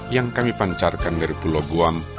yang kami pancarkan dari pulau guam